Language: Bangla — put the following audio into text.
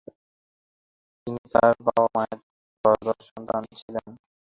তিনি তাঁর বাবা মায়ের ত্রয়োদশ সন্তান ছিলেন।